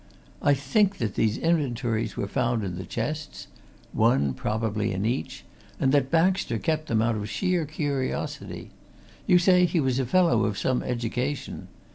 I think that these inventories were found in the chests one, probably, in each and that Baxter kept them out of sheer curiosity you say he was a fellow of some education.